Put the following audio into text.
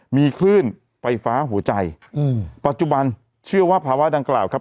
มีคลื่นไฟฟ้าหัวใจอืมปัจจุบันเชื่อว่าภาวะดังกล่าวครับ